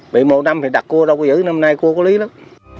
bị một năm thì đặt cua đâu có dữ năm nay cua có lý lắm